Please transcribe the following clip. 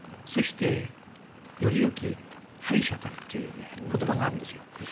そして、よりよき敗者たれということばがあるんですよ。